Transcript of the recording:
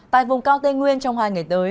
tại vùng cao tây nguyên trong hai ngày tới